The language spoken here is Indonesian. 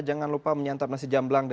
jangan lupa menyantap nasi jamblang